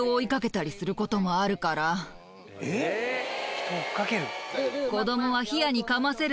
人を追っかける。